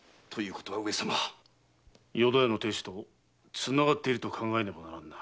淀屋の亭主と繋がっていると考えねばならぬな。